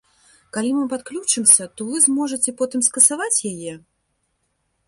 Калі мы падключымся, то вы зможаце потым скасаваць яе?